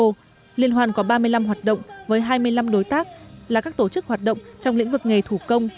unes liên hoan có ba mươi năm hoạt động với hai mươi năm đối tác là các tổ chức hoạt động trong lĩnh vực nghề thủ công